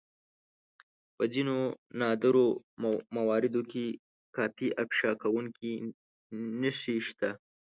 په ځينو نادرو مواردو کې کافي افشا کوونکې نښې شته.